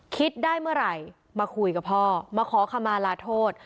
คิดได้เมื่อไหร่มาคุยกับพ่อมาขอคำมาลาโทษ